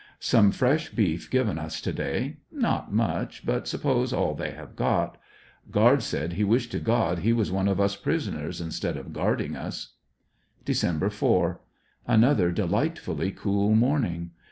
Some fresh beef given us to day; not much, ^but suppose all they have got. Guard said he wished to God he was one of us prisoners instead of guarding us. Dec. 4. — Another delightfully cool morning.